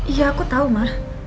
iya aku tahu ma